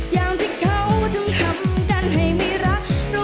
อย่างที่เขาจึงทำกันให้ไม่รัก